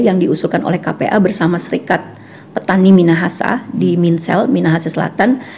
yang diusulkan oleh kpa bersama serikat petani minahasa di minsel minahasa selatan